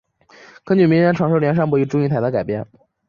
根据民间传说梁山伯与祝英台的改编。